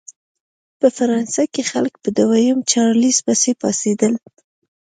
په فرانسه کې خلک په دویم چارلېز پسې پاڅېدل.